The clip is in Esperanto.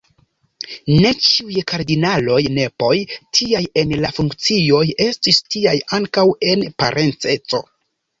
Ne ĉiuj kardinaloj nepoj, tiaj en la funkcioj, estis tiaj ankaŭ en parenceco.